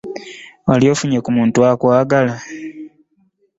Wali ofunyeeyo ku muntu akwagala?